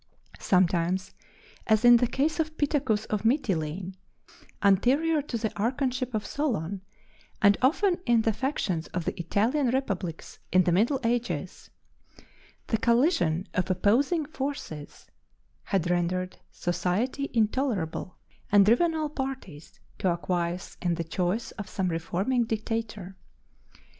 Sometimes as in the case of Pittacus of Mitylene anterior to the archonship of Solon, and often in the factions of the Italian republics in the middle ages the collision of opposing forces had rendered society intolerable, and driven all parties to acquiesce in the choice of some reforming dictator.